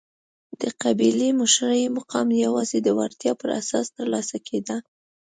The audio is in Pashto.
د قبیلې مشرۍ مقام یوازې د وړتیا پر اساس ترلاسه کېده.